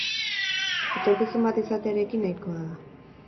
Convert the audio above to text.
Etorkizun bat izatearekin nahikoa da.